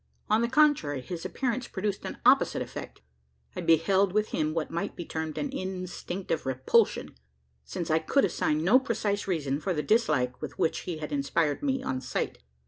On the contrary, his appearance produced an opposite effect. I beheld him with, what might be termed an instinct of repulsion: since I could assign no precise reason for the dislike with which he had inspired me on sight.